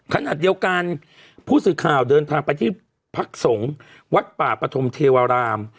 ขณะเดียวกันผู้สื่อข่าวเดินทางไปที่พักสงฆ์วัดป่าปฐมเทวราม